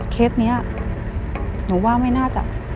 เคสนี้หนูว่าไม่น่าจะ